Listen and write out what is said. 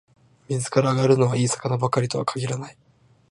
水から揚がるのは、いい魚ばかりとは限らない